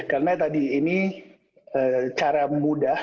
karena tadi ini cara mudah